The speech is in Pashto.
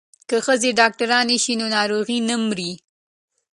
که ښځې ډاکټرانې شي نو ناروغانې نه مري.